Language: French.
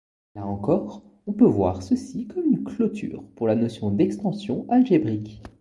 Là encore on peut voir ceci comme une clôture pour la notion d'extension algébrique.